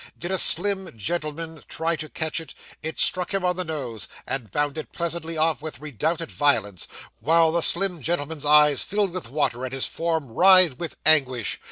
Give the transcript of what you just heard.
Did a slim gentleman try to catch it, it struck him on the nose, and bounded pleasantly off with redoubled violence, while the slim gentleman's eyes filled with water, and his form writhed with anguish.